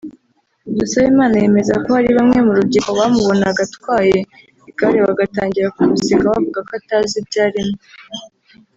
Dusabimana yemeza ko hari bamwe mu rubyiruko bamubonaga atwaye igare bagatangira kumuseka bavuga ko atazi ibyo arimo